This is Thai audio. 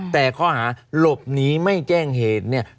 แต่ข้อหาหลบหนีไม่แจ้งเหตุเนี่ย